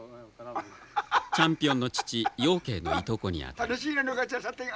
チャンピオンの父用敬のいとこにあたる。